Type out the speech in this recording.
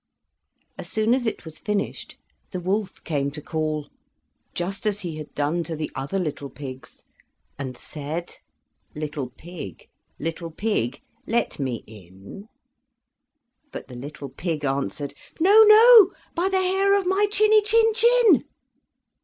As soon as it was finished the wolf came to call, just as he had done to the other little pigs, and said: "Little pig, little pig, let me in!" But the little pig answered: "No, no, by the hair of my chinny chin chin."